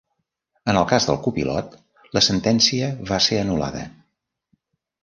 En el cas del copilot la sentència va ser anul·lada.